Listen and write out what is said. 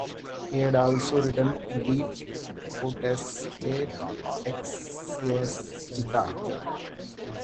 He had also written "De potestate ecclesiastica".